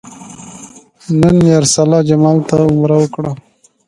نن مې ارسلا جمال ته عمره وکړه.